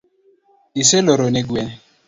Iseloro ne gwen?